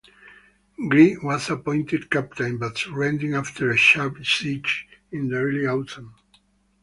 Grey was appointed captain but surrendered after a sharp siege in the early autumn.